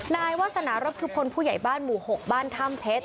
นายวาสนารบคือพลผู้ใหญ่บ้านหมู่๖บ้านถ้ำเพชร